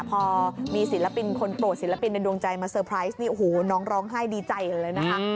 พอมีศิลปินคนโปรดศิลปินในดวงใจมานี่โอ้โหน้องร้องไห้ดีใจเลยนะคะ